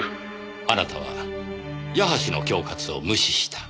あなたは矢橋の恐喝を無視した。